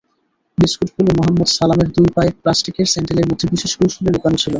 বিস্কুটগুলো মোহাম্মদ সালামের দুই পায়ের প্লাস্টিকের স্যান্ডেলের মধ্যে বিশেষ কৌশলে লুকানো ছিল।